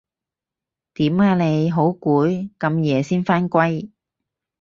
點啊你？好攰？咁夜先返歸